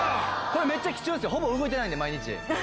これめっちゃ貴重ですよほぼ動いてないんで毎日。